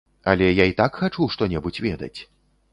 Але я й так хачу што-небудзь ведаць.